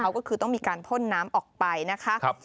ก็คือต้องมีการพ่นน้ำออกไปนะคะ